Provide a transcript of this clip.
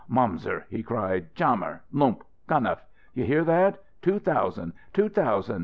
"Momser!" he cried. "Chammer! Lump! Ganef! You hear that? Two thousand! Two thousand!